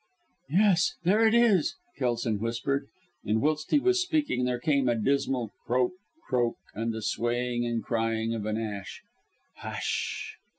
"Yes, there it is!" Kelson whispered and whilst he was speaking there came a dismal croak, croak, and the swaying and crying of an ash "Hush!"